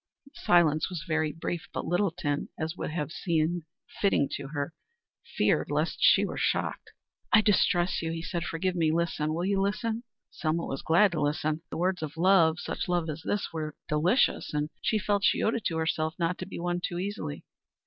The silence was very brief, but Littleton, as would have seemed fitting to her, feared lest she were shocked. "I distress you," he said. "Forgive me. Listen will you listen?" Selma was glad to listen. The words of love, such love as this, were delicious, and she felt she owed it to herself not to be won too easily.